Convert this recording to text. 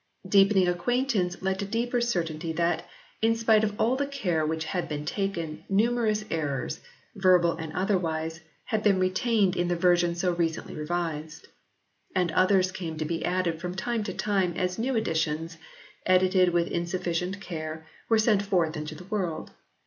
Deepening acquaintance led to deeper certainty that, in spite of all the care which had been taken, numerous errors, verbal and otherwise, had been retained in the version so recently revised. And others came to be added from time to time as new editions, edited with insufficient care, were sent forth into the world.